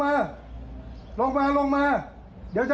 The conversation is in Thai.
ถามผมพวกเฮจยัง